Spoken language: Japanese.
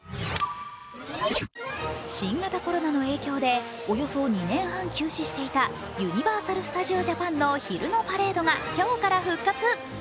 新型コロナの影響でおよそ２年半休止していたユニバーサル・スタジオ・ジャパンの昼のパレードが今日から復活。